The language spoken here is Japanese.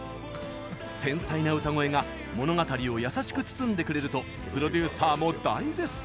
繊細な歌声が物語を優しく包んでくれるとプロデューサーも大絶賛！